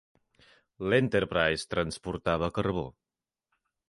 L'"Enterprise" transportava carbó.